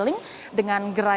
dengan gerakan dengan perusahaan